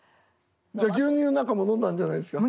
じゃあ牛乳なんかも飲んだんじゃないですか？